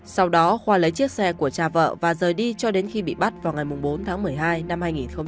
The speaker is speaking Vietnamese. sau đó khoa lấy chiếc xe của cha vợ và rời đi cho đến khi bị bắt vào ngày bốn tháng một mươi hai năm hai nghìn hai mươi ba